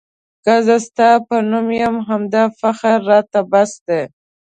که زه ستا په نام یم همدا فخر راته بس دی.